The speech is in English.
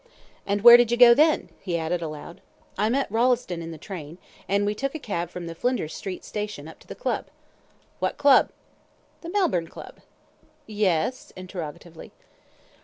"And where did you go then?" he added, aloud. "I met Rolleston in the train, and we took a cab from the Flinders Street station up to the Club." "What Club?" "The Melbourne Club." "Yes?" interrogatively.